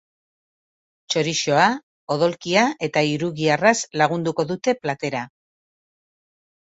Txorixoa, odolkia eta hirugiharraz lagunduko dute platera.